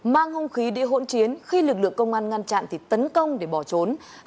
mang hông khí địa hỗn chiến khi lực lượng công an ngăn chặn thì tấn công để bỏ trốn